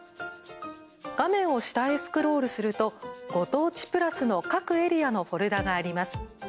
画面を下へスクロールするとご当地プラスの各エリアのフォルダーがあります。